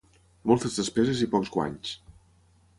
Moltes despeses i pocs guanys.